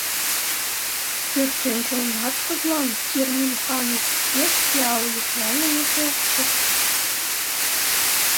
Пӧртӧнчылнат тудлан Хирм Юханын еш пиал йӱкланымыже шоктыш.